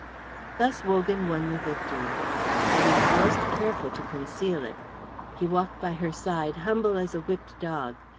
Thus Wogan won the victory. But he was most careful to conceal it. He walked by her side humble as a whipped dog.